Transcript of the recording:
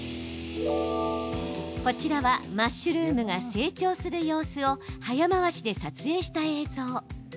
こちらは、マッシュルームが成長する様子を早回しで撮影した映像。